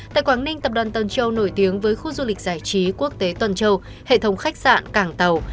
tại quảng ninh tập đoàn tân châu nổi tiếng với khu du lịch giải trí quốc tế tuần châu hệ thống khách sạn cảng tàu